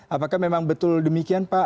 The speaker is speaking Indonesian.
apakah memang betul demikian pak